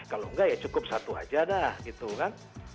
kalau enggak ya cukup satu aja dah gitu kan